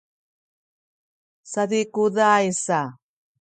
sazikuzay sa